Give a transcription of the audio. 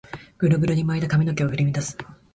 グルグルに巻いた髪の毛を振り乱す